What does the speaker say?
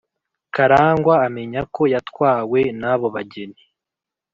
karangwa amenya ko yatwawe n’abo bageni